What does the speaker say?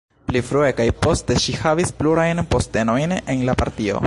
Pli frue kaj poste ŝi havis plurajn postenojn en la partio.